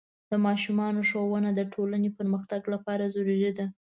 د ماشومانو ښوونه د ټولنې پرمختګ لپاره ضروري ده.